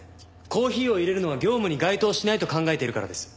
コーヒーを入れるのは業務に該当しないと考えているからです。